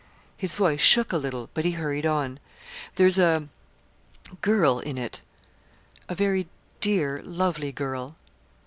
His voice shook a little, but he hurried on. "There's a girl in it; a very dear, lovely girl."